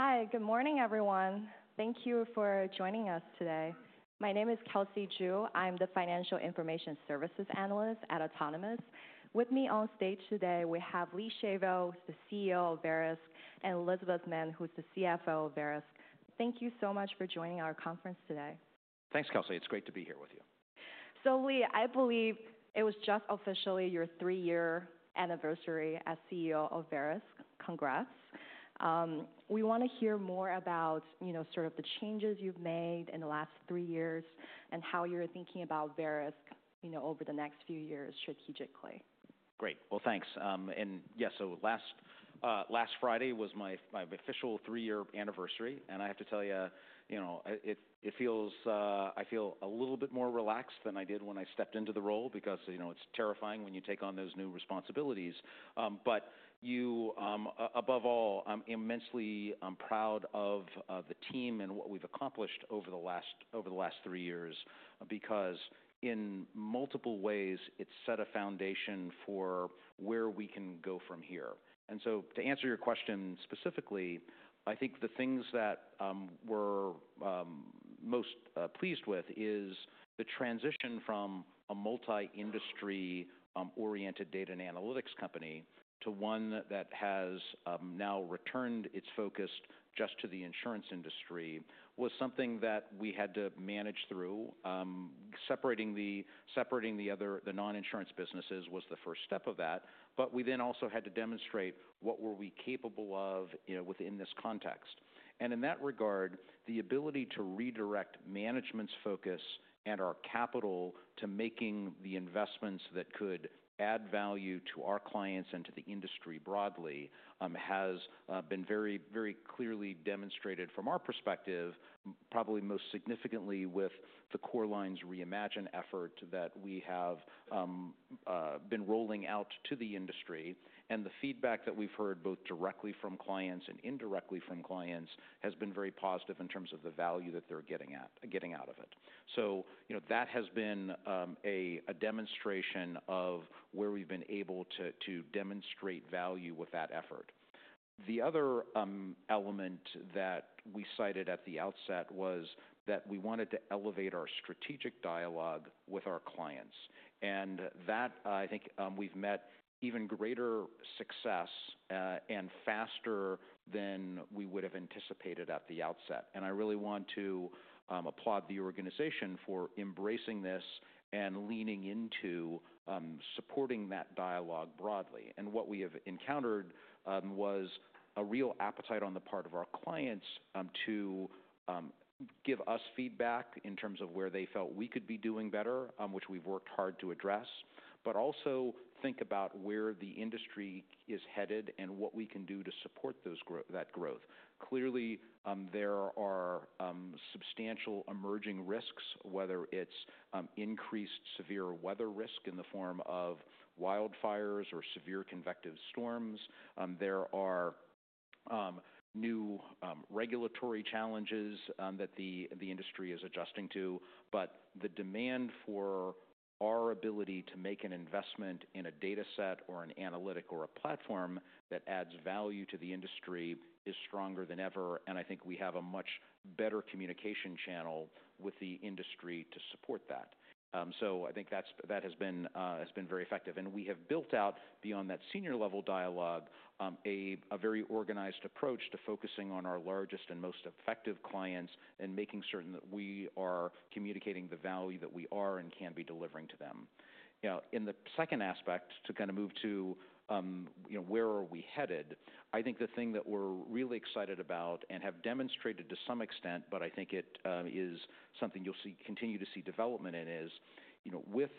Hi, good morning, everyone. Thank you for joining us today. My name is Kelsey Zhu. I'm the Financial Information Services Analyst at Autonomous. With me on stage today, we have Lee Shavel, who's the CEO of Verisk, and Elizabeth Mann, who's the CFO of Verisk. Thank you so much for joining our conference today. Thanks, Kelsey. It's great to be here with you. Lee, I believe it was just officially your three-year Anniversary as CEO of Verisk. Congrats. We want to hear more about sort of the changes you've made in the last three years and how you're thinking about Verisk over the next few years strategically. Great. Thanks. Yes, last Friday was my Official three-year Anniversary. I have to tell you, I feel a little bit more relaxed than I did when I stepped into the role because it's terrifying when you take on those New Responsibilities. Above all, I'm immensely proud of the Team and what we've accomplished over the last three years because, in multiple ways, it's set a foundation for where we can go from here. To answer your question specifically, I think the things that we're most pleased with is the transition from a Multi-Industry-Oriented Data and Analytics Company to one that has now returned its focus just to the Insurance Industry was something that we had to manage through. Separating the non-Insurance Businesses was the first step of that. We then also had to demonstrate what were we capable of within this context. In that regard, the ability to redirect Management's Focus and our Capital to making the investments that could add value to our clients and to the industry broadly has been very, very clearly demonstrated from our perspective, probably most significantly with the Core Lines Reimagine effort that we have been rolling out to the industry. The Feedback that we've heard, both Directly from Clients and Indirectly from Clients, has been very positive in terms of the value that they're getting out of it. That has been a demonstration of where we've been able to demonstrate value with that effort. The other element that we cited at the outset was that we wanted to elevate our Strategic Dialogue with our clients. I think we have met even greater success and faster than we would have anticipated at the outset. I really want to applaud the Organization for embracing this and leaning into supporting that dialogue broadly. What we have encountered was a Real Appetite on the part of our clients to give us feedback in terms of where they felt we could be doing better, which we have worked hard to address, but also think about where the industry is headed and what we can do to support that growth. Clearly, there are substantial Emerging Risks, whether it is increased severe Weather Risk in the form of Wildfires or severe Convective Storms. There are new Regulatory Challenges that the industry is adjusting to. The demand for our ability to make an investment in a Data Set or an Analytic or a Platform that adds value to the industry is stronger than ever. I think we have a much better Communication Channel with the industry to support that. I think that has been very effective. We have built out, beyond that Senior-Level Dialogue, a very Organized Approach to focusing on our largest and most effective clients and making certain that we are communicating the value that we are and can be delivering to them. In the second aspect, to kind of move to where are we headed, I think the thing that we're really excited about and have demonstrated to some extent, but I think it is something you'll continue to see development in, is with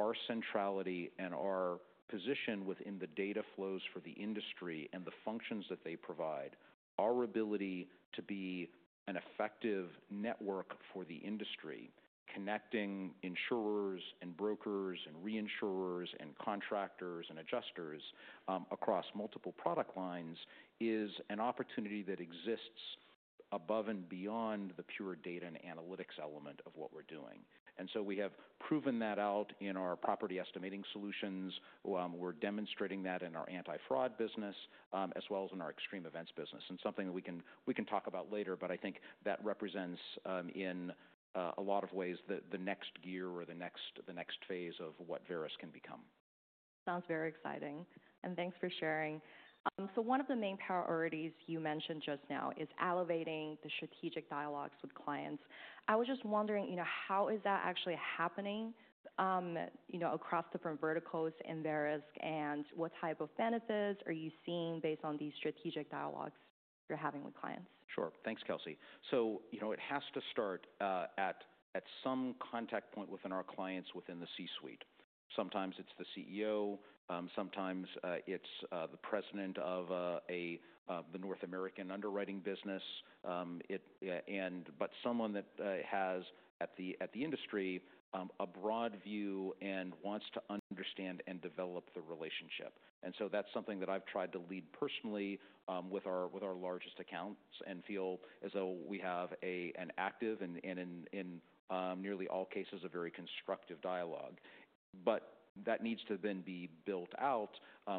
our Centrality and our Position within the Data Flows for the industry and the functions that they provide, our ability to be an Effective Network for the industry, connecting Insurers and Brokers and Reinsurers and Contractors and Adjusters across multiple product lines, is an opportunity that exists above and beyond the pure Data and Analytics element of what we're doing. We have proven that out in our property estimating solutions. We're demonstrating that in our Anti-Fraud Business as well as in our Extreme Events Business. I think that represents in a lot of ways the next gear or the next phase of what Verisk can become. Sounds very exciting. Thanks for sharing. One of the main priorities you mentioned just now is elevating the Strategic Dialogues with clients. I was just wondering, how is that actually happening across different Verticals in Verisk, and what type of benefits are you seeing based on these Strategic Dialogues you're having with clients? Sure. Thanks, Kelsey. It has to start at some contact point within our clients within the C-Suite. Sometimes it is the CEO. Sometimes it is the President of the North American Underwriting Business, but someone that has at the industry a Broad View and wants to understand and develop the relationship. That is something that I have tried to lead personally with our largest accounts and feel as though we have an active and, in nearly all cases, a very Constructive Dialogue. That needs to then be built out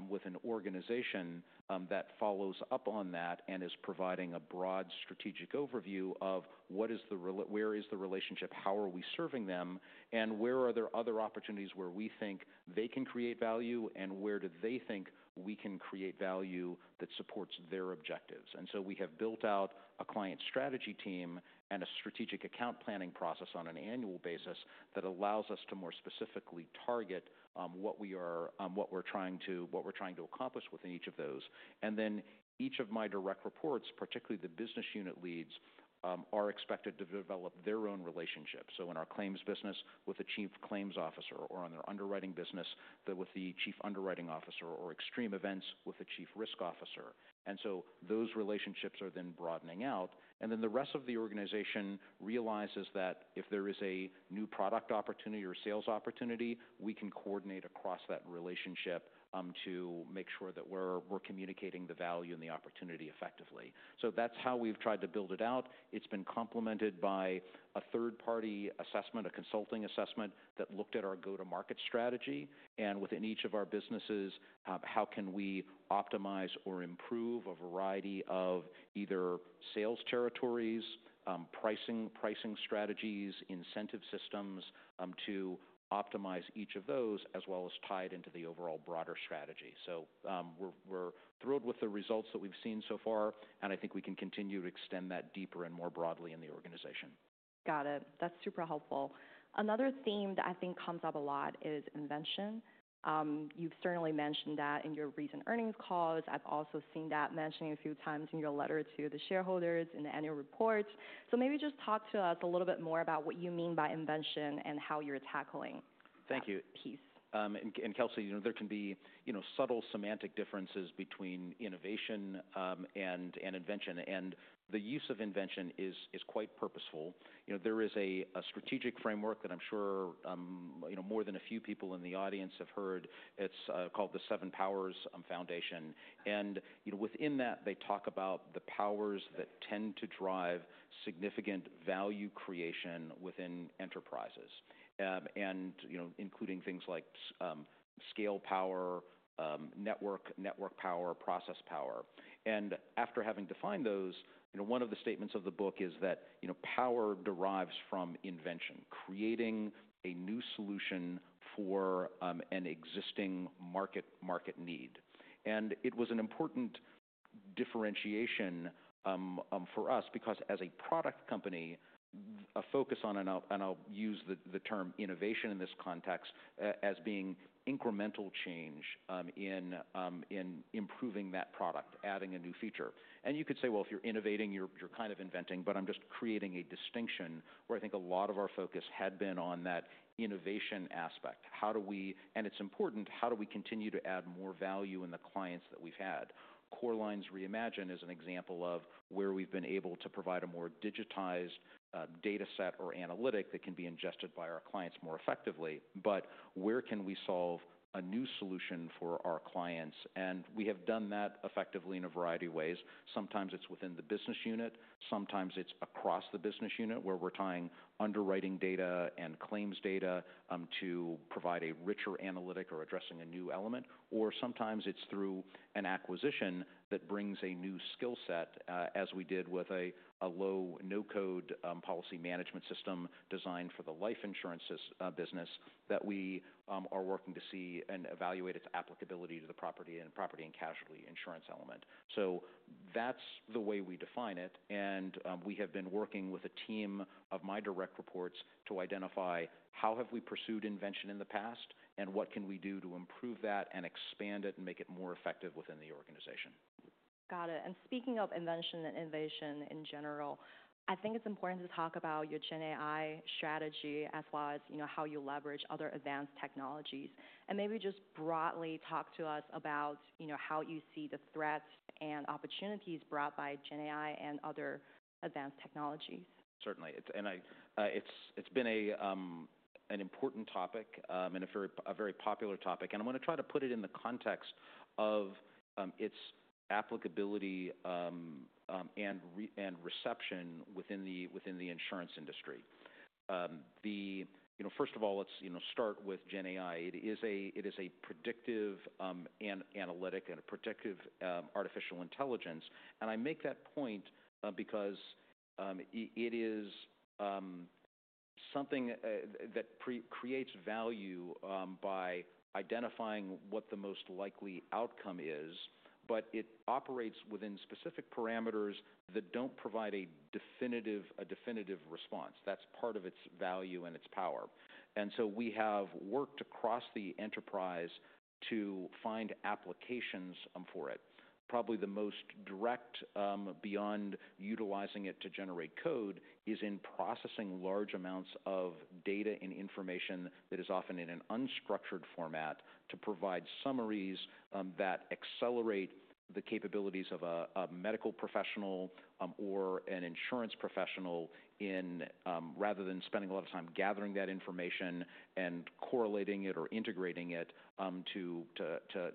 with an organization that follows up on that and is providing a Broad Strategic Overview of where is the relationship, how are we serving them, and where are there other opportunities where we think they can create value, and where do they think we can create value that supports their objectives. We have built out a Client Strategy Team and a Strategic Account Planning Process on an Annual Basis that allows us to more specifically target what we're trying to accomplish within each of those. Each of my Direct Reports, particularly the Business Unit Leads, are expected to develop their own relationship. In our claims business with a Chief Claims Officer, or in our Underwriting Business with the Chief Underwriting Officer, or Extreme Events with the Chief Risk Officer. Those relationships are then broadening out. The rest of the organization realizes that if there is a New Product Opportunity or Sales Opportunity, we can coordinate across that relationship to make sure that we're communicating the value and the opportunity effectively. That is how we've tried to build it out. has been complemented by a Third-party Assessment, a Consulting Assessment that looked at our go-to-Market Strategy. Within each of our businesses, how can we Optimize or Improve a variety of either Sales Territories, Pricing Strategies, Incentive Systems to optimize each of those, as well as tie it into the overall Broader Strategy. We are thrilled with the results that we have seen so far, and I think we can continue to extend that deeper and more broadly in the organization. Got it. That's super helpful. Another theme that I think comes up a lot is Invention. You've certainly mentioned that in your recent Earnings Calls. I've also seen that mentioned a few times in your letter to the Shareholders in the Annual Report. Maybe just talk to us a little bit more about what you mean by Invention and how you're tackling. Thank you. Piece. Kelsey, there can be subtle Semantic Differences between Innovation and Invention. The use of Invention is quite purposeful. There is a Strategic Framework that I am sure more than a few people in the audience have heard. It is called the Seven Powers Foundation. Within that, they talk about the powers that tend to drive significant Value Creation within Enterprises, including things like Scale Power, Network Power, Process Power. After having defined those, one of the statements of the book is that power derives from Invention, creating a new solution for an existing Market Need. It was an important differentiation for us because, as a Product Company, a focus on, and I will use the term Innovation in this context, as being Incremental Change in improving that product, adding a new feature. If you're innovating, you're kind of inventing, but I'm just creating a distinction where I think a lot of our focus had been on that Innovation Aspect. It's important, how do we continue to add more value in the clients that we've had? Core Lines Reimagine is an example of where we've been able to provide a more Digitized Data Set or Analytic that can be ingested by our clients more effectively, but where can we solve a New Solution for our clients? We have done that effectively in a variety of ways. Sometimes it's within the business unit. Sometimes it's across the business unit where we're tying Underwriting Data and Claims Data to provide a richer Analytic or addressing a New Element. Or sometimes it's through an acquisition that brings a new Skill Set, as we did with a Low no-Code Policy Management System designed for the Life Insurance Business that we are working to see and evaluate its applicability to the Property and Casualty Insurance Element. That's the way we define it. We have been working with a team of my Direct Reports to identify how have we pursued Invention in the past and what can we do to improve that and expand it and make it more effective within the organization. Got it. Speaking of Invention and Innovation in general, I think it's important to talk about your GenAI Strategy as well as how you leverage other Advanced Technologies. Maybe just broadly talk to us about how you see the threats and opportunities brought by GenAI and other Advanced Technologies. Certainly. It has been an important topic and a very popular topic. I'm going to try to put it in the context of its Applicability and Reception within the Insurance Industry. First of all, let's start with GenAI. It is a predictive Analytic and a predictive Artificial Intelligence. I make that point because it is something that creates value by identifying what the most likely outcome is, but it operates within specific parameters that do not provide a definitive response. That is part of its value and its power. We have worked across the enterprise to find applications for it. Probably the most direct, beyond utilizing it to generate code, is in processing large amounts of Data and Information that is often in an unstructured format to provide summaries that accelerate the capabilities of a Medical Professional or an Insurance Professional rather than spending a lot of time gathering that information and correlating it or integrating it to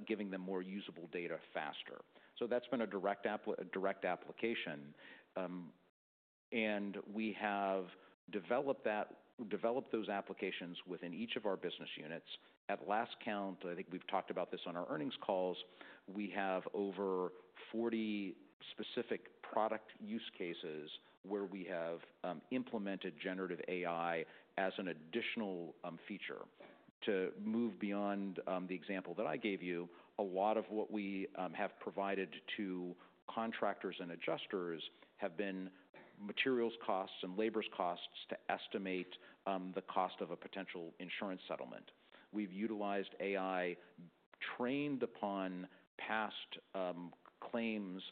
giving them more usable data faster. That has been a Direct Application. We have developed those applications within each of our Business Units. At last count, I think we've talked about this on our earnings calls, we have over 40 Specific Product Use Cases where we have implemented Generative AI as an Additional Feature. To move beyond the example that I gave you, a lot of what we have provided to Contractors and Adjusters have been Materials Costs and Labor Costs to estimate the cost of a potential Insurance Settlement. We've utilized AI trained upon past claims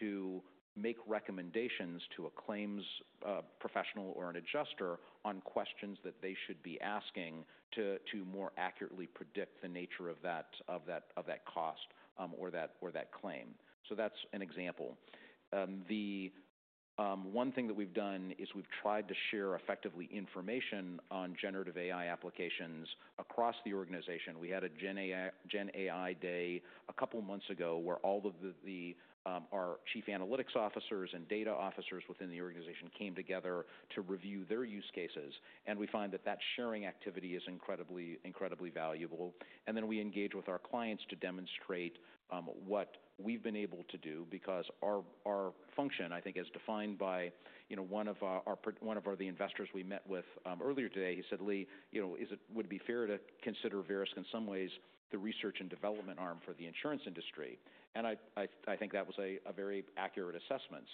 to make recommendations to a claims Professional or an Adjuster on questions that they should be asking to more accurately predict the nature of that cost or that claim. That is an example. The one thing that we've done is we've tried to share effectively information on Generative AI Applications across the organization. We had a GenAI Day a couple of months ago where all of our Chief Analytics Officers and Data Officers within the organization came together to review their use cases. We find that that sharing activity is incredibly valuable. We engage with our clients to demonstrate what we've been able to do because our function, I think, is defined by one of the investors we met with earlier today. He said, "Lee, would it be fair to consider Verisk in some ways the Research and Development arm for the Insurance Industry?" I think that was a very Accurate Assessment.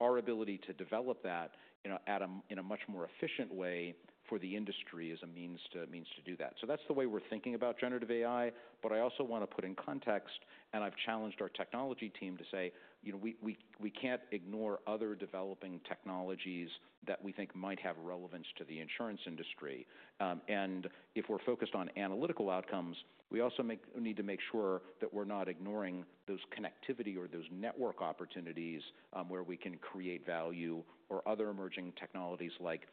Our ability to develop that in a much more efficient way for the industry is a means to do that. That is the way we're thinking about Generative AI. I also want to put in context, and I've challenged our Technology Team to say, "We can't ignore other Developing Technologies that we think might have relevance to the Insurance Industry." If we're focused on Analytical Outcomes, we also need to make sure that we're not ignoring those Connectivity or those Network Opportunities where we can create value or other emerging technologies like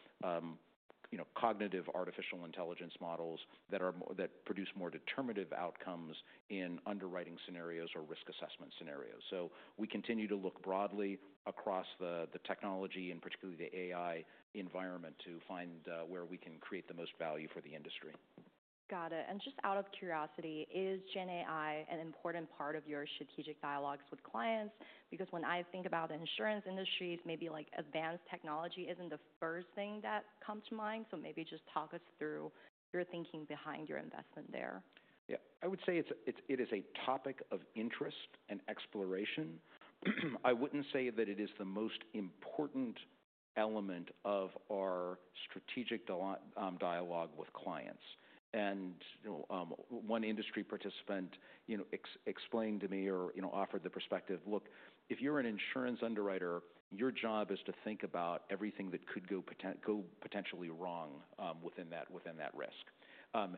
Cognitive Artificial Intelligence Models that produce more determinative outcomes in Underwriting Scenarios or Risk Assessment Scenarios. We continue to look broadly across the technology and particularly the AI Environment to find where we can create the most value for the industry. Got it. And just out of curiosity, is GenAI an important part of your Strategic Dialogues with clients? Because when I think about the Insurance Industry, maybe Advanced Technology isn't the first thing that comes to mind. So maybe just talk us through your thinking behind your investment there. Yeah. I would say it is a topic of Interest and Exploration. I wouldn't say that it is the most important element of our Strategic Dialogue with clients. One Industry Participant explained to me or offered the perspective, "Look, if you're an Insurance Underwriter, your job is to think about everything that could go potentially wrong within that risk."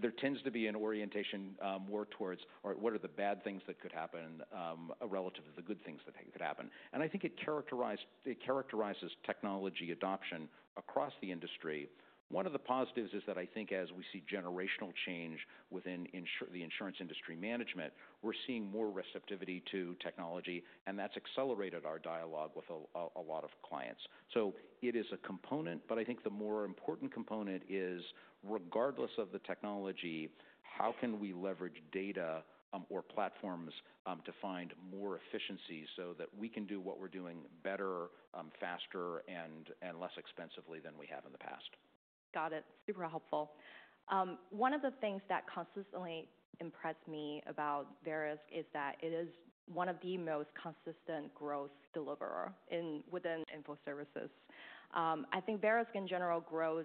There tends to be an orientation more towards what are the bad things that could happen relative to the good things that could happen. I think it characterizes Technology Adoption across the industry. One of the positives is that I think as we see generational change within the Insurance Industry management, we're seeing more receptivity to technology, and that's accelerated our dialogue with a lot of clients. It is a component, but I think the more important component is, regardless of the technology, how can we leverage data or platforms to find more efficiencies so that we can do what we're doing better, faster, and less expensively than we have in the past? Got it. Super helpful. One of the things that consistently impressed me about Verisk is that it is one of the most consistent growth deliverers within info services. I think Verisk in general grows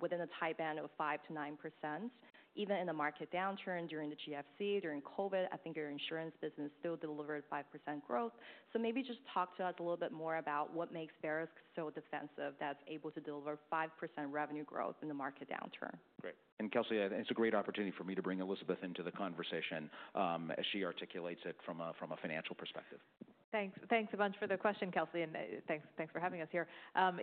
within a tight band of 5%-9%. Even in a Market Downturn during the GFC, during COVID, I think your Insurance Business still delivered 5% growth. Maybe just talk to us a little bit more about what makes Verisk so defensive that it's able to deliver 5% revenue growth in the market downturn. Great. Kelsey, it's a great opportunity for me to bring Elizabeth into the conversation as she articulates it from a financial perspective. Thanks a bunch for the question, Kelsey, and thanks for having us here.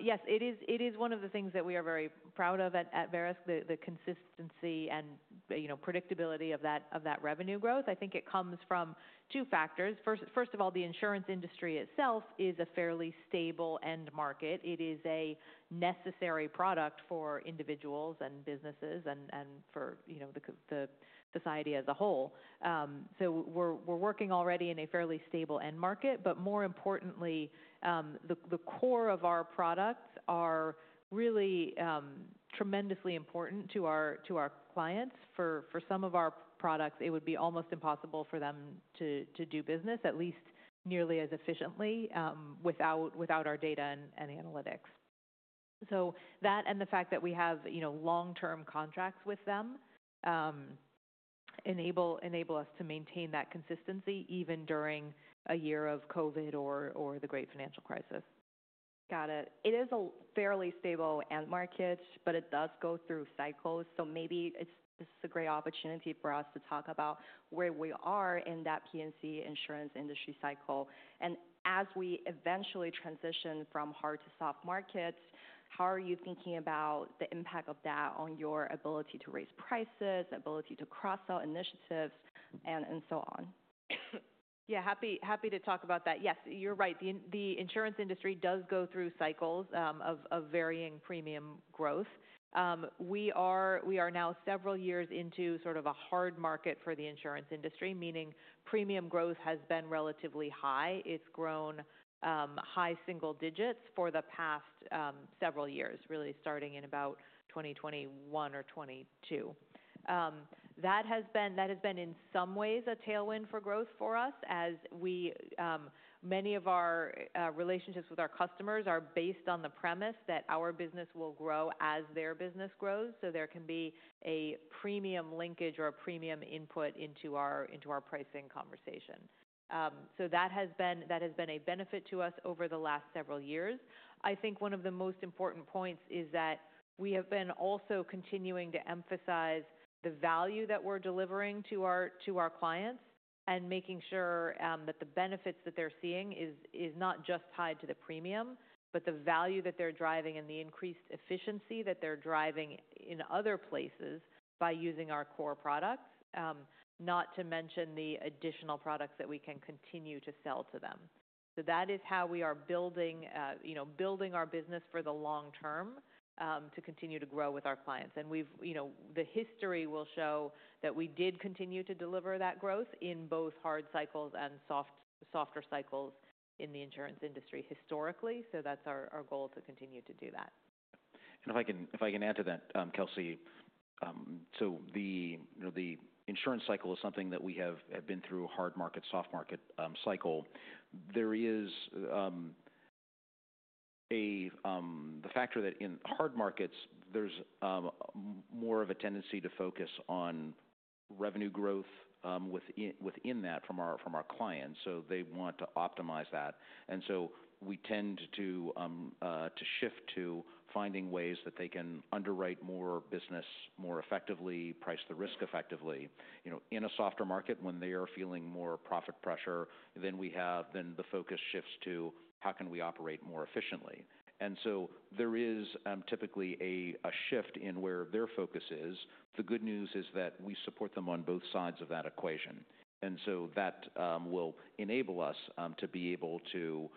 Yes, it is one of the things that we are very proud of at Verisk, the consistency and predictability of that revenue growth. I think it comes from two factors. First of all, the Insurance Industry itself is a fairly stable End Market. It is a necessary product for Individuals and Businesses and for the Society as a whole. We are working already in a fairly stable End Market, but more importantly, the core of our products are really tremendously important to our clients. For some of our products, it would be almost impossible for them to do business, at least nearly as efficiently without our Data and Analytics. That and the fact that we have long-term contracts with them enable us to maintain that consistency even during a year of COVID or the great Financial Crisis. Got it. It is a fairly stable End Market, but it does go through cycles. Maybe this is a great opportunity for us to talk about where we are in that P&C Insurance Industry Cycle. As we eventually transition from Hard to Soft Markets, how are you thinking about the impact of that on your ability to raise prices, ability to Cross-Sell Initiatives, and so on? Yeah, happy to talk about that. Yes, you're right. The Insurance Industry does go through cycles of varying Premium Growth. We are now several years into sort of a Hard Market for the Insurance Industry, meaning Premium Growth has been relatively high. It's grown high single digits for the past several years, really starting in about 2021 or 2022. That has been in some ways a tailwind for growth for us, as many of our relationships with our customers are based on the premise that our business will grow as their business grows. There can be a premium Linkage or a premium Input into our Pricing Conversation. That has been a benefit to us over the last several years. I think one of the most important points is that we have been also continuing to emphasize the value that we're delivering to our clients and making sure that the benefits that they're seeing are not just tied to the premium, but the value that they're driving and the increased efficiency that they're driving in other places by using our Core Products, not to mention the additional products that we can continue to sell to them. That is how we are building our business for the long term to continue to grow with our clients. The history will show that we did continue to deliver that growth in both Hard Cycles and Softer Cycles in the Insurance Industry historically. That is our goal to continue to do that. If I can add to that, Kelsey, the Insurance Cycle is something that we have been through, a Hard Market, Soft Market Cycle. The factor that in Hard Markets, there is more of a tendency to focus on Revenue Growth within that from our clients. They want to optimize that. We tend to shift to finding ways that they can underwrite more business more effectively, price the risk effectively. In a Softer Market, when they are feeling more Profit Pressure, the focus shifts to how can we operate more efficiently. There is typically a shift in where their focus is. The good news is that we support them on both sides of that equation. That will enable us to be able to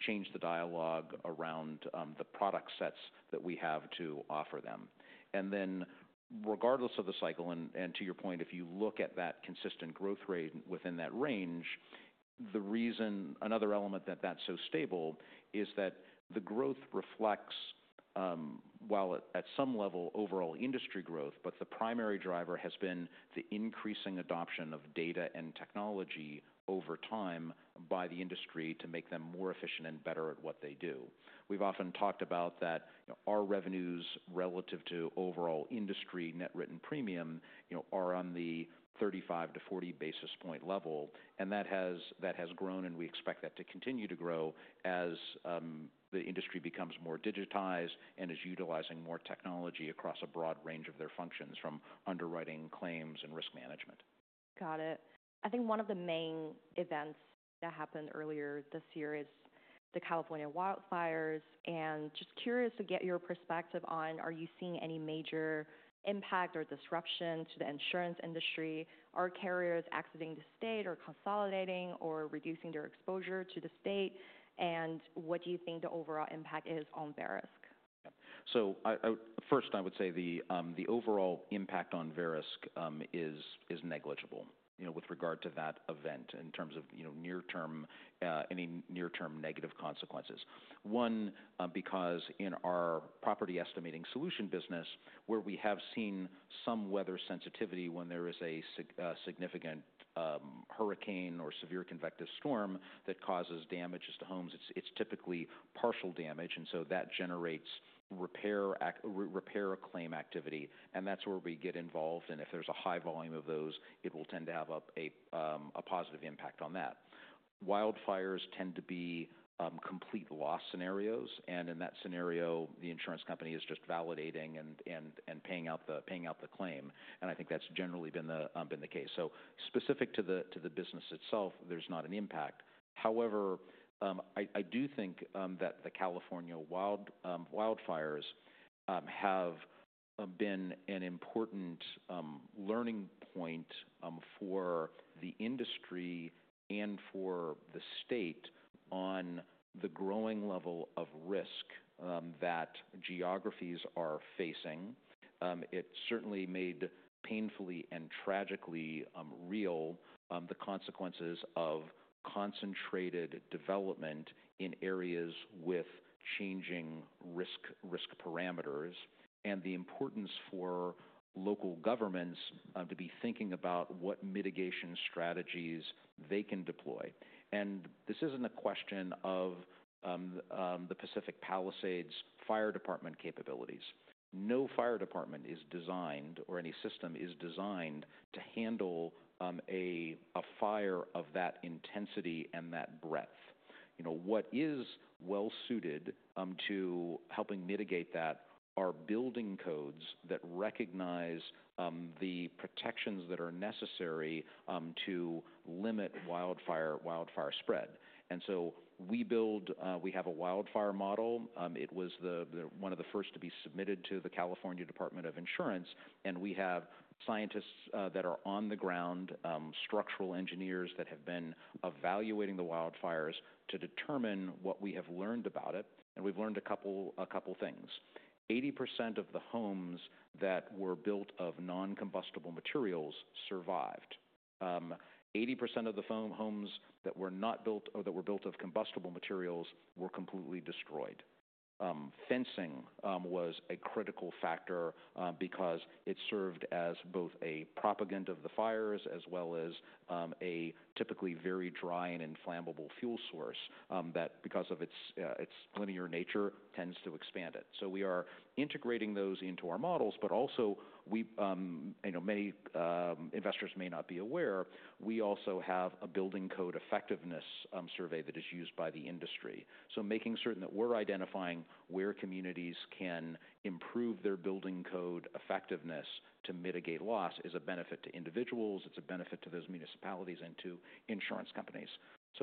change the dialogue around the product sets that we have to offer them. Regardless of the cycle, and to your point, if you look at that consistent Growth Rate within that range, another element that is so stable is that the growth reflects, while at some level, overall industry growth, but the primary driver has been the increasing adoption of Data and Technology over time by the industry to make them more efficient and better at what they do. We've often talked about that our revenues relative to overall industry net written premium are on the 35-40 basis point level. That has grown, and we expect that to continue to grow as the industry becomes more digitized and is utilizing more technology across a broad range of their functions from Underwriting, Claims, and Risk Management. Got it. I think one of the main events that happened earlier this year is the California Wildfires. I am just curious to get your perspective on, are you seeing any major impact or disruption to the Insurance Industry? Are carriers exiting the State or consolidating or reducing their exposure to the State? What do you think the overall impact is on Verisk? First, I would say the overall impact on Verisk is negligible with regard to that event in terms of any near-term negative consequences. One, because in our property estimating Solution Business, where we have seen some Weather Sensitivity when there is a significant Hurricane or severe Convective Storm that causes damage to homes, it's typically Partial Damage. That generates Repair Claim Activity. That's where we get involved. If there's a high volume of those, it will tend to have a positive impact on that. Wildfires tend to be complete loss scenarios. In that scenario, the Insurance Company is just validating and paying out the claim. I think that's generally been the case. Specific to the business itself, there's not an impact. However, I do think that the California Wildfires have been an important Learning Point for the industry and for the State on the growing level of Risk that Geographies are facing. It certainly made painfully and tragically real the consequences of Concentrated Development in areas with changing Risk Parameters and the importance for Local Governments to be thinking about what Mitigation Strategies they can deploy. This is not a question of the Pacific Palisades Fire Department capabilities. No Fire Department is designed or any system is designed to handle a fire of that intensity and that breadth. What is well-suited to helping mitigate that are building codes that recognize the protections that are necessary to limit Wildfire spread. We have a Wildfire Model. It was one of the first to be submitted to the California Department of Insurance. We have scientists that are on the ground, Structural Engineers that have been evaluating the Wildfires to determine what we have learned about it. We have learned a couple of things. 80% of the homes that were built of non-Combustible Materials survived. 80% of the homes that were not built or that were built of Combustible Materials were completely destroyed. Fencing was a Critical Factor because it served as both a propagation of the fires as well as a typically very Dry and Inflammable Fuel Source that, because of its Linear Nature, tends to expand it. We are integrating those into our models, but also many investors may not be aware. We also have a building code effectiveness survey that is used by the industry. Making certain that we are identifying where communities can improve their building code effectiveness to Mitigate loss is a benefit to individuals. It's a benefit to those Municipalities and to Insurance Companies.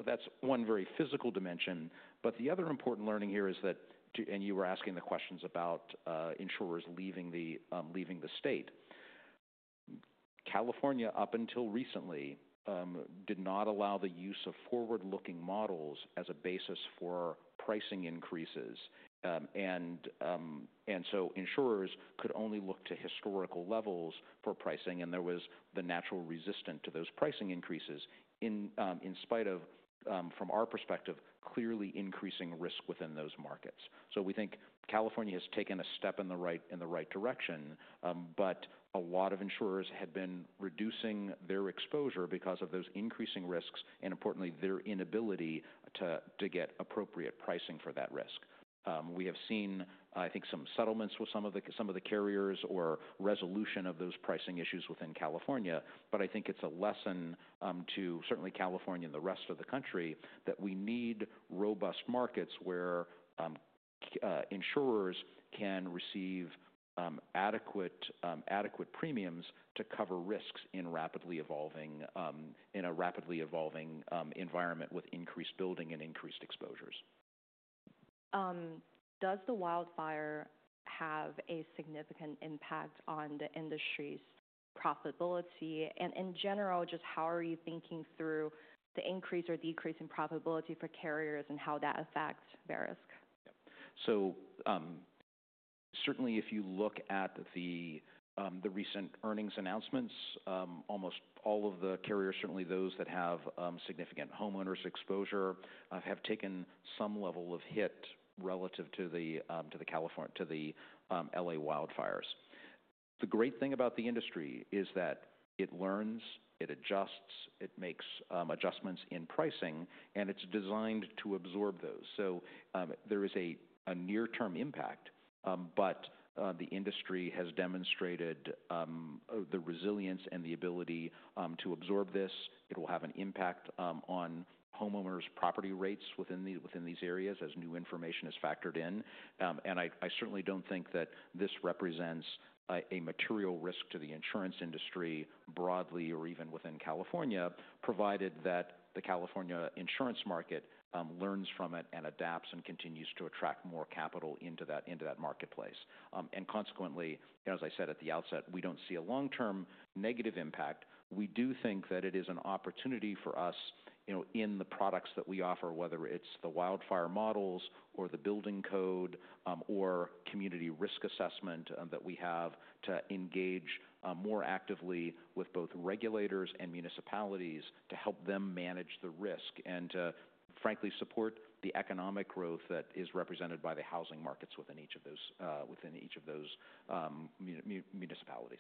That's one very Physical Dimension. The other important learning here is that, and you were asking the questions about insurers leaving the State, California up until recently did not allow the use of Forward-Looking Models as a basis for Pricing Increases. Insurers could only look to Historical Levels for pricing, and there was the Natural Resistance to those Pricing Increases in spite of, from our perspective, clearly increasing Risk within those markets. We think California has taken a step in the right direction, but a lot of Insurers had been reducing their exposure because of those increasing Risks and, importantly, their inability to get appropriate pricing for that Risk. We have seen, I think, some settlements with some of the carriers or resolution of those pricing issues within California. I think it's a lesson to certainly California and the rest of the country that we need robust Markets where insurers can receive adequate premiums to cover risks in a rapidly evolving environment with increased building and increased exposures. Does the wildfire have a significant impact on the Industry's Profitability? In general, just how are you thinking through the increase or decrease in Profitability for carriers and how that affects Verisk? Certainly, if you look at the recent Earnings Announcements, almost all of the carriers, certainly those that have significant Homeowners exposure, have taken some level of hit relative to the California wildfires. The great thing about the industry is that it learns, it adjusts, it makes adjustments in pricing, and it is designed to absorb those. There is a near-term impact, but the industry has demonstrated the resilience and the ability to absorb this. It will have an impact on Homeowners' Property Rates within these areas as new information is factored in. I certainly do not think that this represents a Material Risk to the Insurance Industry broadly or even within California, provided that the California Insurance Market learns from it and adapts and continues to attract more capital into that Marketplace. Consequently, as I said at the outset, we do not see a long-term negative impact. We do think that it is an opportunity for us in the products that we offer, whether it's the Wildfire Models or the Building Code or Community Risk Assessment that we have to engage more actively with both Regulators and Municipalities to help them manage the Risk and to, frankly, support the Economic Growth that is represented by the Housing Markets within each of those Municipalities.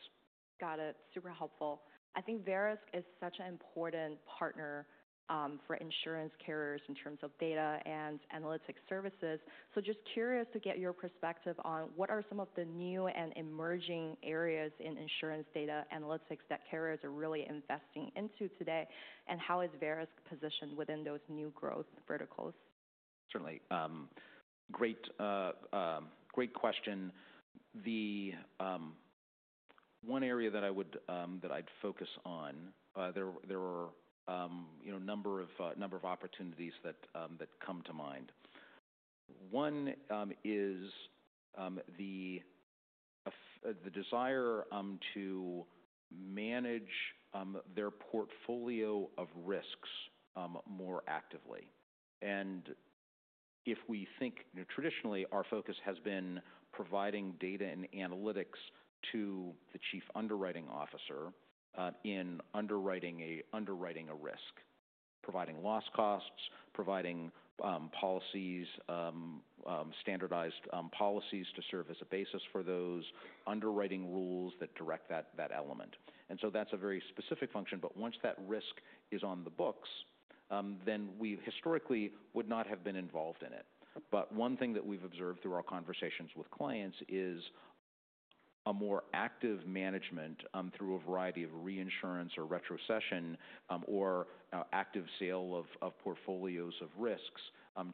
Got it. Super helpful. I think Verisk is such an important partner for Insurance Carriers in terms of Data and Analytic Services. Just curious to get your perspective on what are some of the new and emerging areas in Insurance Data Analytics that carriers are really investing into today and how is Verisk positioned within those new Growth Verticals? Certainly. Great question. One area that I'd focus on, there are a number of opportunities that come to mind. One is the desire to manage their Portfolio of Rsks more actively. If we think traditionally, our focus has been providing Data and Analytics to the Chief Underwriting Officer in Underwriting a Risk, providing Loss Costs, providing Standardized Policies to serve as a basis for those, Underwriting Rules that direct that element. That is a very specific function. Once that Risk is on the books, we historically would not have been involved in it. One thing that we've observed through our conversations with clients is a more Active Management through a variety of Reinsurance or Retrocession or Active Sale of Portfolios of Risks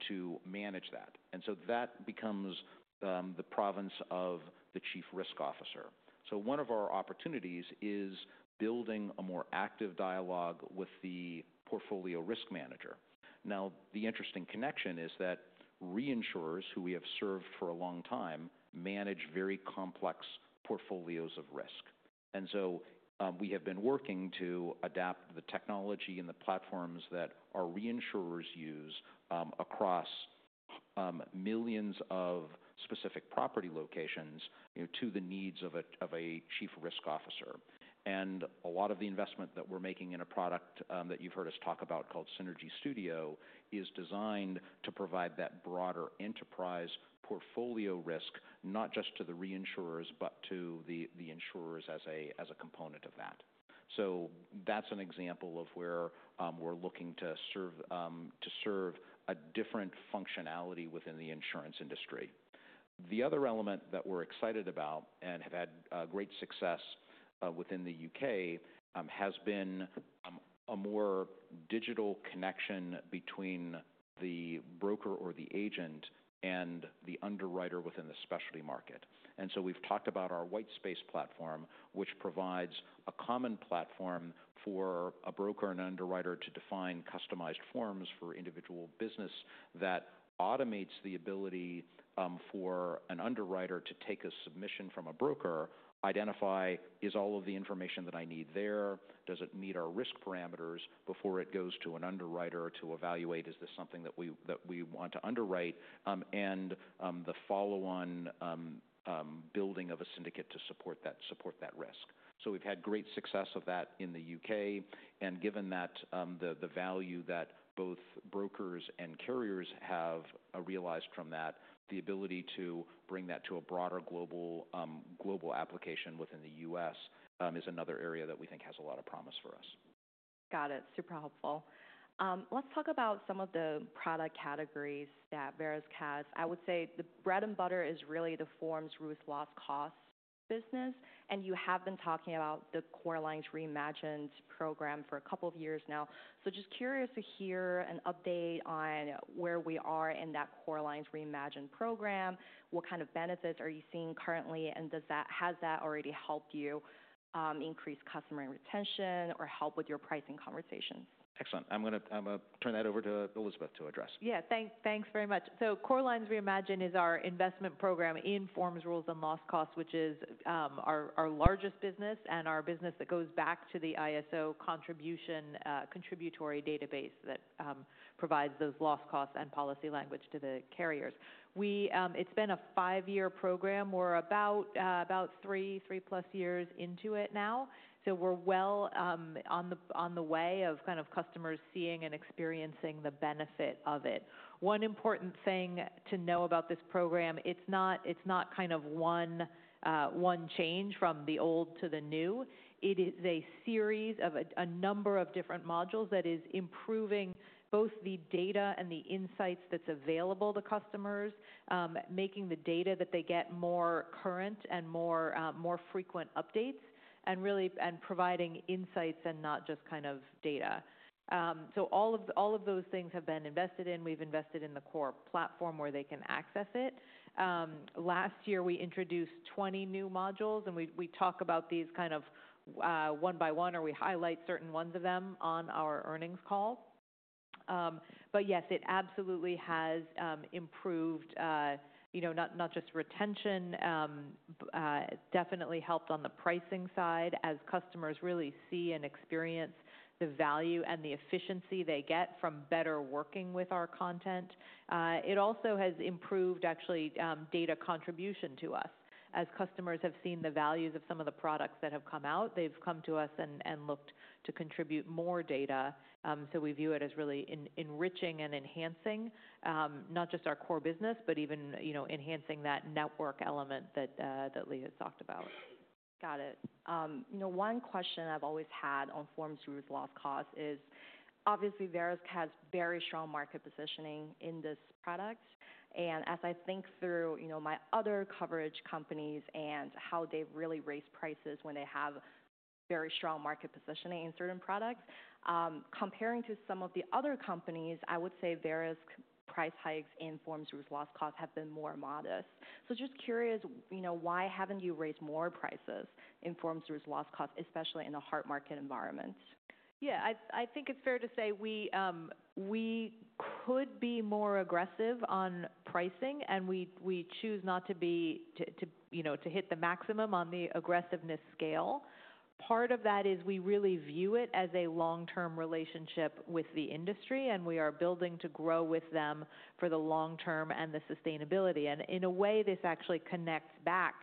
to manage that. That becomes the province of the Chief Risk Officer. One of our opportunities is building a more Active Dialogue with the Portfolio Risk Manager. The interesting connection is that Reinsurers, who we have served for a long time, manage very complex Portfolios of Risk. We have been working to adapt the technology and the platforms that our Reinsurers use across millions of specific Property Locations to the needs of a Chief Risk Officer. A lot of the investment that we're making in a product that you've heard us talk about called Synergy Studio is designed to provide that broader Enterprise Portfolio Risk, not just to the Reinsurers, but to the Insurers as a component of that. That's an example of where we're looking to serve a different functionality within the Insurance Industry. The other element that we're excited about and have had great success with in the U.K. has been a more Digital Connection between the Broker or the Agent and the Underwriter within the Specialty Market. We have talked about our Whitespace Platform, which provides a common platform for a Broker and an Underwriter to define Customized Forms for Individual Business that automates the ability for an Underwriter to take a submission from a Broker, identify, is all of the information that I need there? Does it meet our risk parameters before it goes to an Underwriter to evaluate? Is this something that we want to Underwrite? The follow-on building of a syndicate to support that Risk. We have had great success with that in the U.K. Given that the value that both brokers and carriers have realized from that, the ability to bring that to a broader Global Application within the U.S. is another area that we think has a lot of promise for us. Got it. Super helpful. Let's talk about some of the product categories that Verisk has. I would say the bread and butter is really the Forms, Rules, Loss Costs Business. You have been talking about the Core Lines Reimagine Program for a couple of years now. Just curious to hear an update on where we are in that Core Lines Reimagine Program. What kind of benefits are you seeing currently? Has that already helped you increase Customer Retention or help with your Pricing Conversations? Excellent. I'm going to turn that over to Elizabeth to address. Yeah. Thanks very much. Core Lines Reimagine is our Investment Program in Forms, Rules, and Loss Costs, which is our largest business and our business that goes back to the ISO Contributory Database that provides those Loss Costs and Policy Language to the carriers. It has been a five-year program. We are about three, three-plus years into it now. We are well on the way of kind of customers seeing and experiencing the benefit of it. One important thing to know about this program, it is not kind of one change from the old to the new. It is a series of a number of different modules that is improving both the Data and the Insights that are available to customers, making the data that they get more current and more frequent updates and really providing insights and not just kind of data. All of those things have been invested in. We've invested in the Core Platform where they can access it. Last year, we introduced 20 New Modules. We talk about these kind of one by one or we highlight certain ones of them on our Earnings Call. Yes, it absolutely has improved not just retention, definitely helped on the pricing side as customers really see and experience the value and the efficiency they get from better working with our content. It also has improved actually Data Contribution to us as customers have seen the values of some of the products that have come out. They've come to us and looked to contribute more data. We view it as really enriching and enhancing not just our core business, but even enhancing that network element that Lee has talked about. Got it. One question I've always had on forms, rules, loss costs is obviously Verisk has very strong market positioning in this product. As I think through my other coverage companies and how they've really raised prices when they have very strong market positioning in certain products, comparing to some of the other companies, I would say Verisk's price hikes in forms, rules, loss costs have been more modest. Just curious, why haven't you raised more prices in Forms, Rules, Loss Costs, especially in a Hard Market Environment? Yeah, I think it's fair to say we could be more aggressive on pricing and we choose not to hit the maximum on the aggressiveness scale. Part of that is we really view it as a long-term relationship with the industry and we are building to grow with them for the long term and the sustainability. In a way, this actually connects back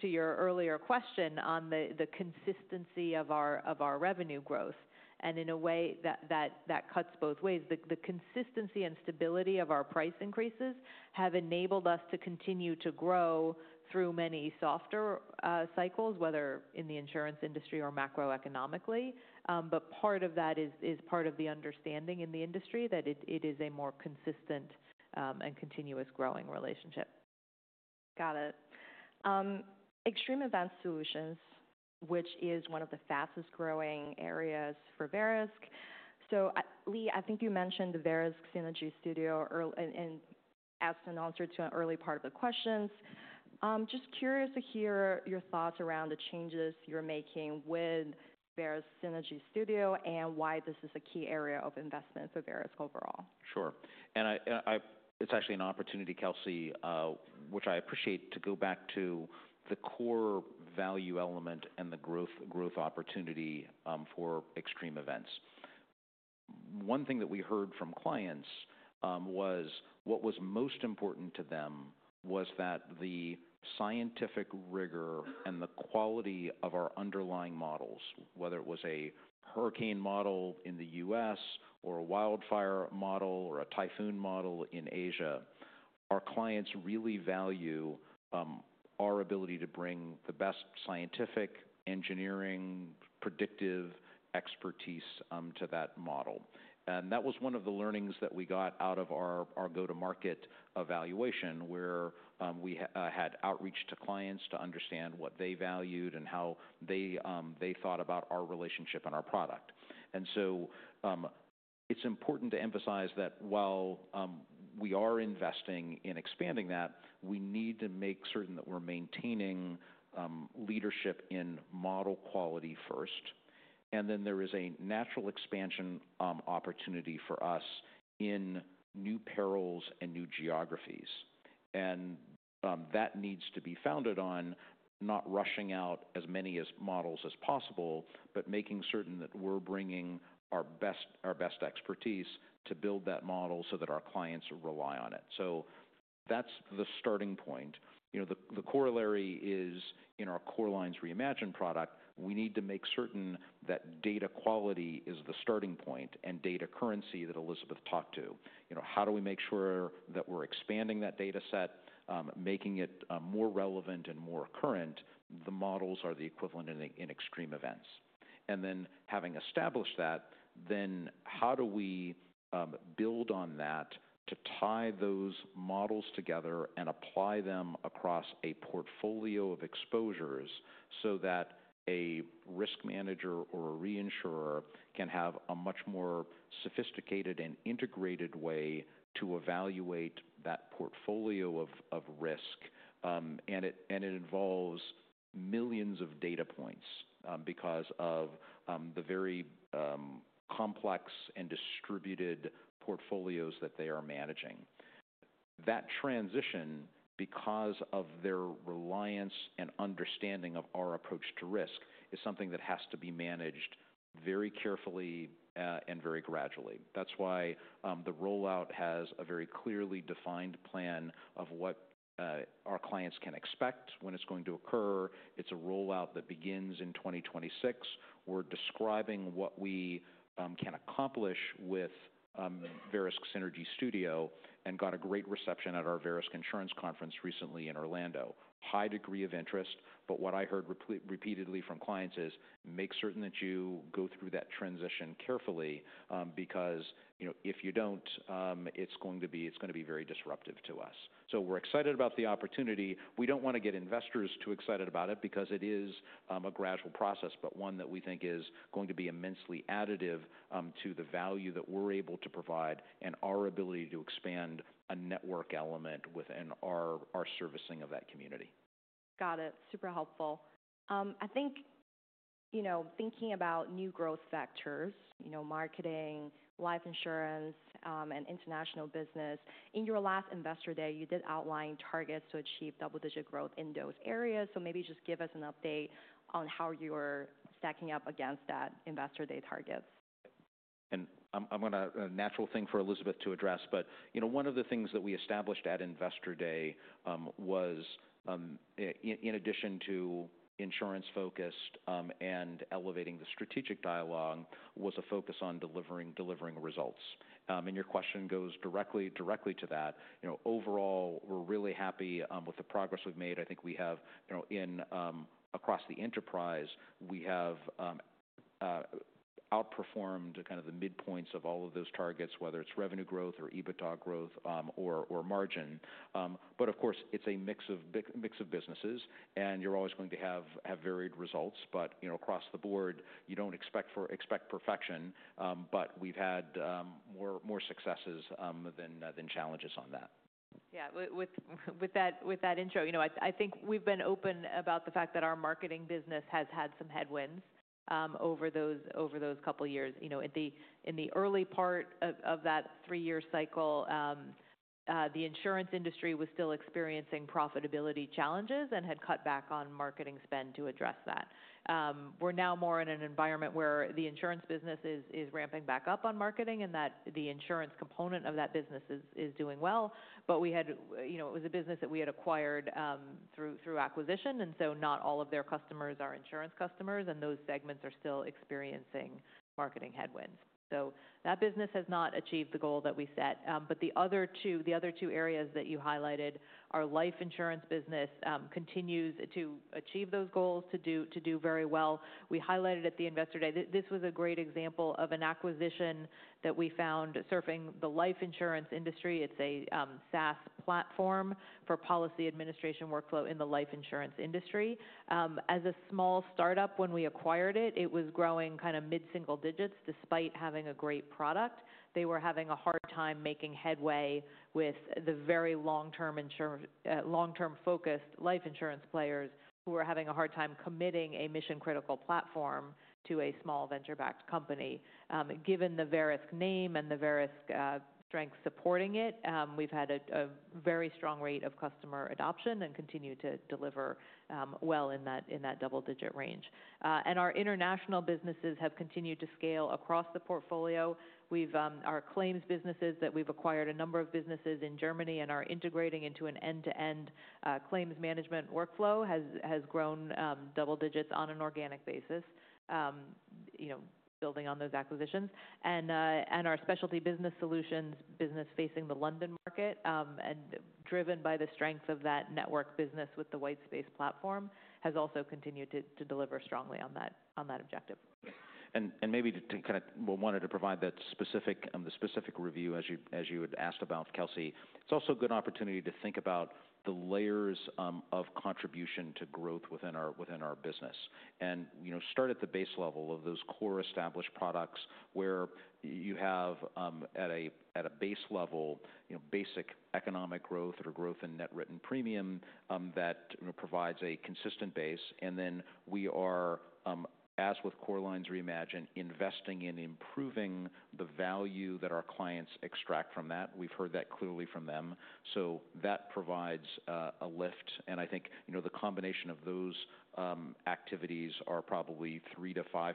to your earlier question on the consistency of our revenue growth. In a way that cuts both ways, the consistency and stability of our price increases have enabled us to continue to grow through many softer cycles, whether in the Insurance Industry or Macroeconomically. Part of that is part of the understanding in the industry that it is a more consistent and continuous growing relationship. Got it. Extreme Event Solutions, which is one of the fastest growing areas for Verisk. Lee, I think you mentioned the Verisk Synergy Studio and asked and answered to an early part of the questions. Just curious to hear your thoughts around the changes you're making with Verisk Synergy Studio and why this is a key area of investment for Verisk overall. Sure. It's actually an opportunity, Kelsey, which I appreciate to go back to the core value element and the Growth Opportunity for Extreme Events. One thing that we heard from clients was what was most important to them was that the scientific rigor and the quality of our underlying Models, whether it was a Hurricane Model in the U.S. or a Wildfire Model or a Typhoon Model in Asia, our clients really value our ability to bring the best Scientific, Engineering, predictive Expertise to that Model. That was one of the learnings that we got out of our go-to-market evaluation where we had outreach to clients to understand what they valued and how they thought about our relationship and our product. It's important to emphasize that while we are investing in expanding that, we need to make certain that we're maintaining leadership in model quality first. There is a natural expansion opportunity for us in new Perils and new Geographies. That needs to be founded on not rushing out as many models as possible, but making certain that we're bringing our best expertise to build that model so that our clients rely on it. That is the starting point. The corollary is in our Core Lines Reimagine product, we need to make certain that data quality is the starting point and data currency that Elizabeth talked to. How do we make sure that we're expanding that data set, making it more relevant and more current? The models are the equivalent in Extreme Events. Having established that, then how do we build on that to tie those models together and apply them across a portfolio of exposures so that a Rrisk Manager or a Reinsurer can have a much more sophisticated and integrated way to evaluate that Portfolio of Risk? It involves millions of data points because of the very complex and distributed portfolios that they are managing. That transition, because of their reliance and understanding of our approach to risk, is something that has to be managed very carefully and very gradually. That is why the rollout has a very clearly defined plan of what our clients can expect when it is going to occur. It is a rollout that begins in 2026. We are describing what we can accomplish with Verisk Synergy Studio and got a great reception at our Verisk Insurance Conference recently in Orlando. High degree of interest. What I heard repeatedly from clients is make certain that you go through that transition carefully because if you do not, it is going to be very disruptive to us. We are excited about the opportunity. We do not want to get investors too excited about it because it is a gradual process, but one that we think is going to be immensely additive to the value that we are able to provide and our ability to expand a network element within our servicing of that community. Got it. Super helpful. I think thinking about new growth factors, Marketing, Life Insurance, and International Business, in your last investor day, you did outline targets to achieve double-digit growth in those areas. Maybe just give us an update on how you're stacking up against that Investor Day target. I'm going to a natural thing for Elizabeth to address, but one of the things that we established at Investor Day was, in addition to Insurance focused and elevating the Strategic Dialogue, a focus on delivering results. Your question goes directly to that. Overall, we're really happy with the progress we've made. I think we have across the enterprise, we have outperformed kind of the midpoints of all of those targets, whether it's Revenue Growth or EBITDA Growth or Margin. Of course, it's a mix of businesses and you're always going to have varied results. Across the board, you don't expect perfection, but we've had more successes than challenges on that. Yeah. With that intro, I think we've been open about the fact that our marketing business has had some headwinds over those couple of years. In the early part of that three-year cycle, the Insurance Industry was still experiencing Profitability Challenges and had cut back on marketing spend to address that. We're now more in an environment where the Insurance Business is ramping back up on marketing and that the Insurance Component of that business is doing well. It was a business that we had acquired through acquisition. Not all of their customers are Insurance Customers and those segments are still experiencing marketing headwinds. That business has not achieved the goal that we set. The other two areas that you highlighted, our life Insurance Business continues to achieve those goals, to do very well. We highlighted at the investor day, this was a great example of an acquisition that we found surfing the life Insurance Industry. It's a SaaS platform for Policy Administration Workflow in the life Insurance Industry. As a small startup, when we acquired it, it was growing kind of mid-single digits despite having a great product. They were having a hard time making headway with the very long-term focused life Insurance Players who were having a hard time committing a mission-critical platform to a small Venture-backed Company. Given the Verisk name and the Verisk strength supporting it, we've had a very strong rate of customer adoption and continue to deliver well in that double-digit range. Our international businesses have continued to scale across the portfolio. Our claims businesses that we've acquired, a number of businesses in Germany and are integrating into an end-to-end claims Management Workflow, has grown double digits on an organic basis, building on those acquisitions. Our specialty business solutions business facing the London market and driven by the strength of that network business with the Whitespace Platform has also continued to deliver strongly on that objective. Maybe to kind of wanted to provide that specific review as you had asked about, Kelsey, it's also a good opportunity to think about the layers of contribution to growth within our business. Start at the base level of those core established products where you have at a base level, basic Economic Growth or growth in Net Written Premium that provides a consistent base. We are, as with Core Lines Reimagine, investing in improving the value that our clients extract from that. We've heard that clearly from them. That provides a lift. I think the combination of those activities are probably 3-5%, I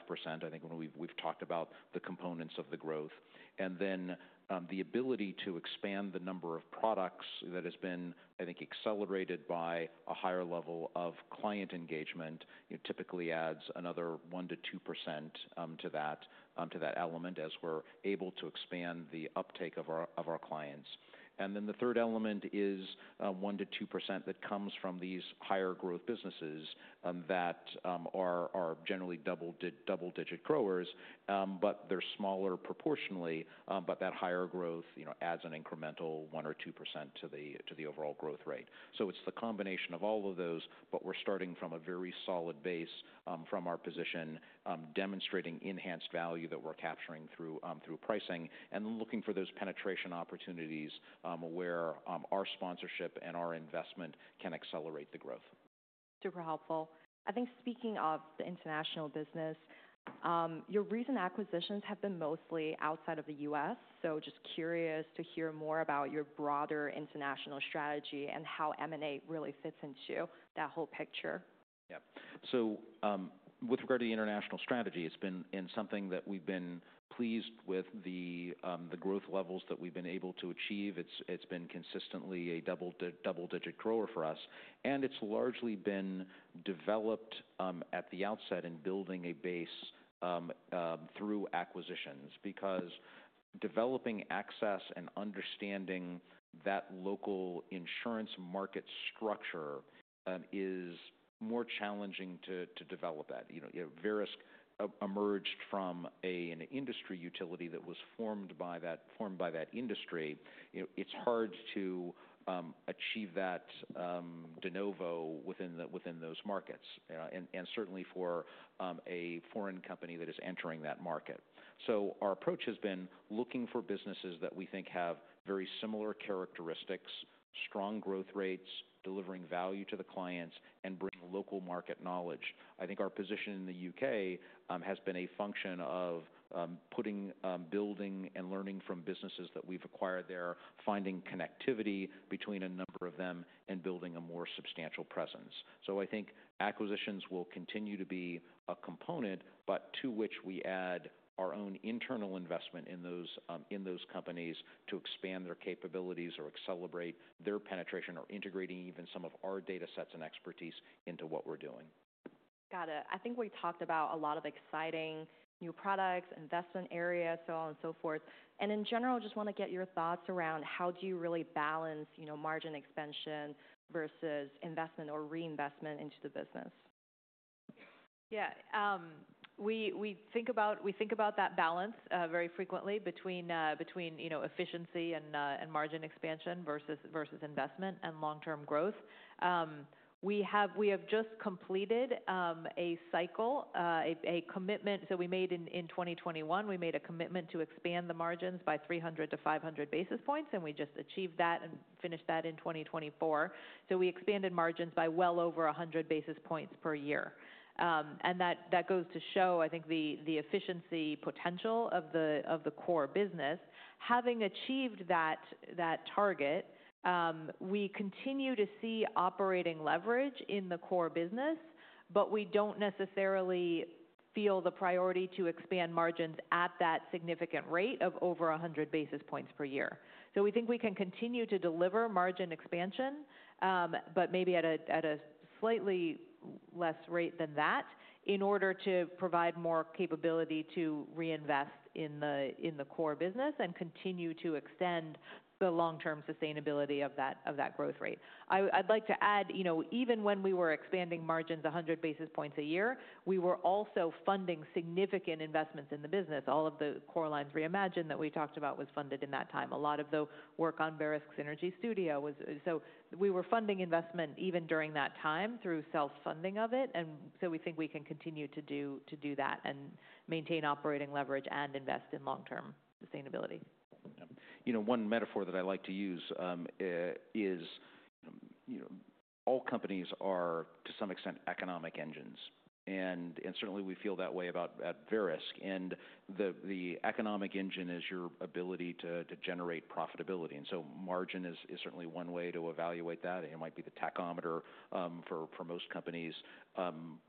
think when we've talked about the components of the growth. The ability to expand the number of products that has been, I think, accelerated by a higher level of Client Engagement typically adds another 1-2% to that element as we're able to expand the uptake of our clients. The third element is 1-2% that comes from these higher growth businesses that are generally double-digit growers, but they're smaller proportionally, but that higher growth adds an incremental 1-2% to the Overall Growth Rate. It is the combination of all of those, but we're starting from a very solid base from our position, demonstrating enhanced value that we're capturing through pricing and looking for those penetration opportunities where our sponsorship and our investment can accelerate the growth. Super helpful. I think speaking of the International Business, your recent acquisitions have been mostly outside of the U.S. Just curious to hear more about your broader international strategy and how M&A really fits into that whole picture. Yeah. With regard to the International Strategy, it's been something that we've been pleased with, the growth levels that we've been able to achieve. It's been consistently a double-digit grower for us. It's largely been developed at the outset in building a base through acquisitions because developing access and understanding that Local Insurance Market Structure is more challenging to develop. Verisk emerged from an industry utility that was formed by that industry. It's hard to achieve that de novo within those markets and certainly for a Foreign Company that is entering that market. Our approach has been looking for businesses that we think have very similar characteristics, strong growth rates, delivering value to the clients, and bringing Local Market knowledge. I think our position in the U.K. has been a function of putting, building, and learning from businesses that we've acquired there, finding connectivity between a number of them and building a more substantial presence. I think acquisitions will continue to be a component, but to which we add our own internal investment in those companies to expand their capabilities or accelerate their penetration or integrating even some of our data sets and expertise into what we're doing. Got it. I think we talked about a lot of exciting new products, investment areas, so on and so forth. In general, I just want to get your thoughts around how do you really balance Margin Expansion versus Investment or Reinvestment into the business? Yeah. We think about that balance very frequently between efficiency and Margin Expansion versus Investment and long-term growth. We have just completed a cycle, a commitment. So we made in 2021, we made a commitment to expand the margins by 300-500 basis points, and we just achieved that and finished that in 2024. We expanded margins by well over 100 basis points per year. That goes to show, I think, the efficiency potential of the core business. Having achieved that target, we continue to see operating leverage in the core business, but we do not necessarily feel the priority to expand margins at that significant rate of over 100 basis points per year. We think we can continue to deliver Margin Expansion, but maybe at a slightly less rate than that in order to provide more capability to reinvest in the core business and continue to extend the long-term sustainability of that Growth Rate. I'd like to add, even when we were expanding margins 100 basis points a year, we were also funding significant investments in the business. All of the Core Lines Reimagine that we talked about was funded in that time. A lot of the work on Verisk Synergy Studio was, so we were funding investment even during that time through self-funding of it. We think we can continue to do that and maintain operating leverage and invest in long-term sustainability. One Metaphor that I like to use is all companies are to some extent Economic Engines. Certainly we feel that way about Verisk. The Economic Engine is your ability to generate Profitability. Margin is certainly one way to evaluate that. It might be the tachometer for most companies.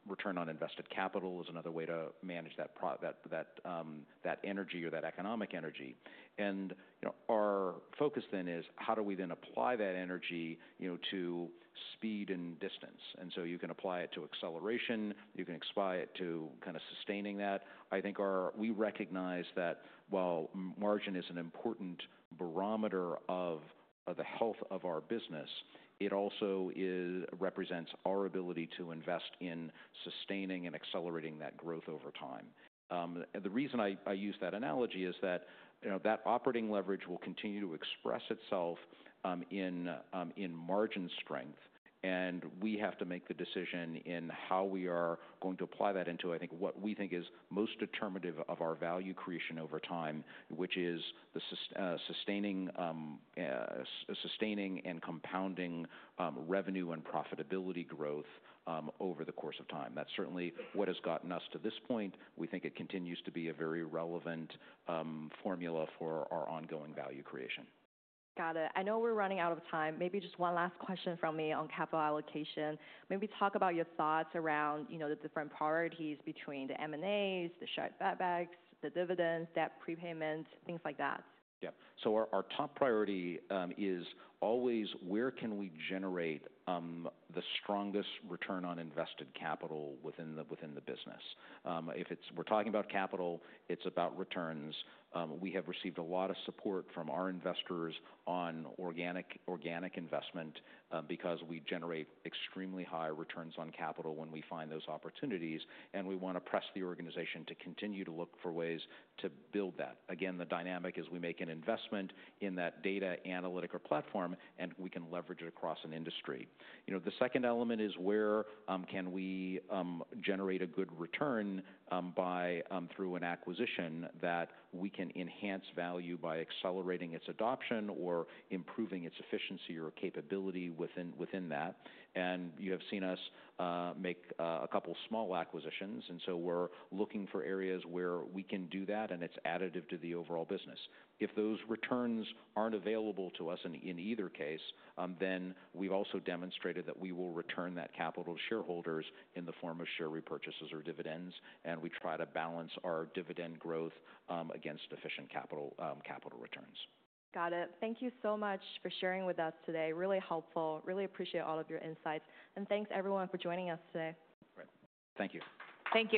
Return on Invested Capital is another way to manage that energy or that Economic Energy. Our focus then is how do we then apply that energy to speed and distance? You can apply it to acceleration. You can apply it to kind of sustaining that. I think we recognize that while margin is an important barometer of the health of our business, it also represents our ability to invest in sustaining and accelerating that growth over time. The reason I use that analogy is that operating leverage will continue to express itself in margin strength. We have to make the decision in how we are going to apply that into, I think, what we think is most determinative of our value creation over time, which is sustaining and compounding Revenue and Profitability Growth over the course of time. That is certainly what has gotten us to this point. We think it continues to be a very relevant formula for our ongoing value creation. Got it. I know we're running out of time. Maybe just one last question from me on Capital Allocation. Maybe talk about your thoughts around the different priorities between the M&As, the share buybacks, the dividends, debt prepayments, things like that. Yeah. Our top priority is always where can we generate the strongest return on Invested Capital within the business. If we're talking about capital, it's about returns. We have received a lot of support from our investors on organic investment because we generate extremely high returns on capital when we find those opportunities. We want to press the organization to continue to look for ways to build that. Again, the dynamic is we make an investment in that Data Analytic or platform, and we can leverage it across an industry. The second element is where can we generate a good return through an acquisition that we can enhance value by accelerating its adoption or improving its efficiency or capability within that. You have seen us make a couple of small acquisitions. We are looking for areas where we can do that, and it is additive to the overall business. If those returns are not available to us in either case, we have also demonstrated that we will return that capital to Shareholders in the form of share repurchases or dividends. We try to balance our dividend growth against efficient Capital Returns. Got it. Thank you so much for sharing with us today. Really helpful. Really appreciate all of your insights. Thank you everyone for joining us today. Thank you. Thank you.